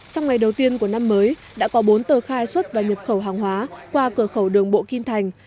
trong ngày đầu tiên của năm mới đã có bốn tờ khai xuất và nhập khẩu hàng hóa qua cửa khẩu đường bộ kim thành